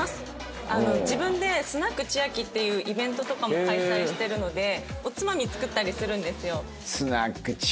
自分で「スナック千瑛」っていうイベントとかも開催してるのでおつまみ作ったりするんですよ。